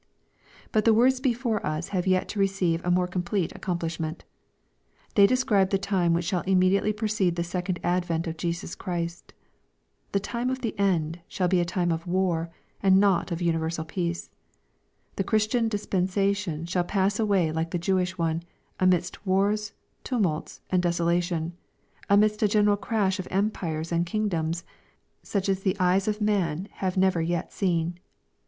But the words before us have yet to receive a more complete accomplishment. They describe the time which shall immediately precede the second advent of Jesus Christ. The " time of the end" shall be a time of war, and not of universal peace. The Christian dispensation shall pass away like the Jewish one, amidst wars, tumults, and desolation, amidst a general crash of empires and king doms, such as the eyes of man have never yet seen.